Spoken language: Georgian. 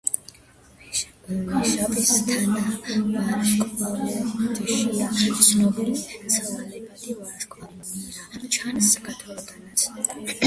ვეშაპის თანავარსკვლავედშია ცნობილი ცვალებადი ვარსკვლავი მირა; ჩანს საქართველოდანაც.